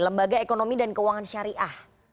lembaga ekonomi dan keuangan syariah